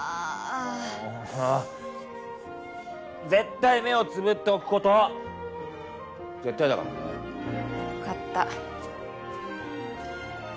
もう絶対目をつぶっておくこと絶対だからね分かった